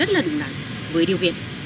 rất là đúng đắn với điều viện